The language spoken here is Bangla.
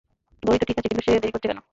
ঘড়ি তো ঠিক আছে, কিন্তু সে দেরি করছে কেন?